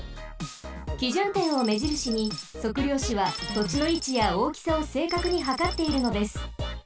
基準点をめじるしに測量士はとちのいちやおおきさをせいかくにはかっているのです。